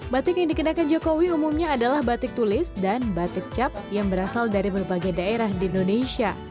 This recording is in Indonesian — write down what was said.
batik yang dikenakan jokowi umumnya adalah batik tulis dan batik cap yang berasal dari berbagai daerah di indonesia